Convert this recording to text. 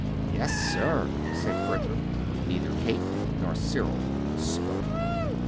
"Yes, sir," said Bertram. Neither Kate nor Cyril spoke.